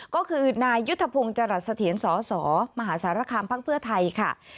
ก็คือนายยุทธพงศ์จรัสเสถียรสสมหาสารคามพักเพื่อไทยค่ะ